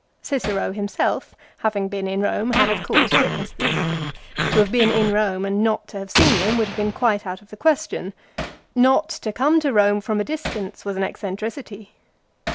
Cicero himself, having been in Rome, had of course witnessed them. To have been in Rome and not to have seen them would have been quite out of the question. Not to come to Rome from a distance was an eccentricity.